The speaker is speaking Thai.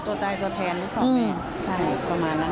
ตัวตายตัวแทนค่ะ